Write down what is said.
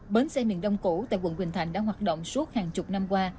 bến xe miền đông cũ tại quận quỳnh thành đã hoạt động suốt hàng chục năm qua